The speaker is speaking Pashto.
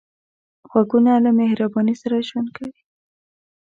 غوږونه له مهرباني سره ژوند کوي